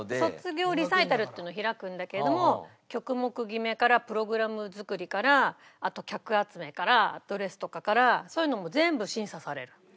卒業リサイタルっていうのを開くんだけれども曲目決めからプログラム作りからあと客集めからドレスとかからそういうのも全部審査される。